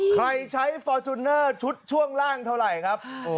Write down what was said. ใช้ฟอร์จูเนอร์ชุดช่วงล่างเท่าไหร่ครับ